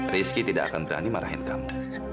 rizky tidak akan berani marahin kamu